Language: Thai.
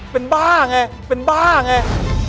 เป็นบ้าไง